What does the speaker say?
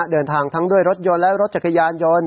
เดินทางทั้งด้วยรถยนต์และรถจักรยานยนต์